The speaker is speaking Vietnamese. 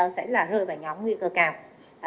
sẽ là rơi vào nhóm nguy cơ cao